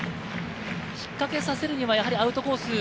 引っかけさせるには、やはりアウトコース